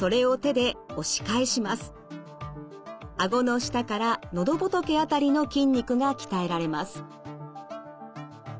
顎の下から喉仏辺りの筋肉が鍛えられます。